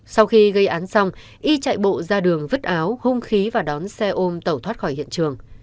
sau khi gây án xong y chạy bộ ra đường vứt áo hung khí và đón xe ôm tẩu thoát khỏi hiện trường